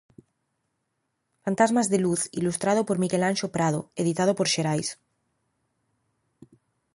Fantasmas de luz, ilustrado por Miguel Anxo Prado, editado por Xerais.